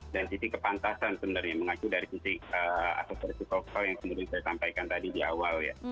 dan sisi kepantasan sebenarnya mengaku dari sisi asetorsi sosial yang kemudian saya sampaikan tadi di awal ya